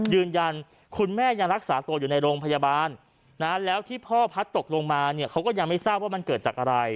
ยืนยันคุณแม่ยังรักษาตัวอยู่ในโรงพยาบาลนะแล้วที่พ่อพัดตกลงมาเนี่ยเขาก็ยังไม่ทราบว่ามันเกิดจากอะไร